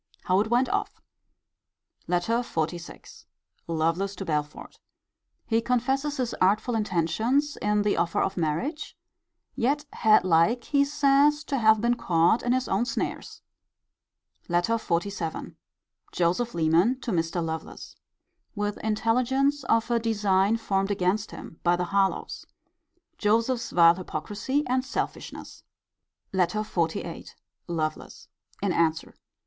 How it went off. LETTER XLVI. Lovelace to Belford. He confesses his artful intentions in the offer of marriage: yet had like, he says, to have been caught in his own snares. LETTER XLVII. Joseph Leman to Mr. Lovelace. With intelligence of a design formed against him by the Harlowes. Joseph's vile hypocrisy and selfishness. LETTER XLVIII. Lovelace. In answer.